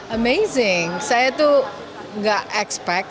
amazing saya tuh gak expect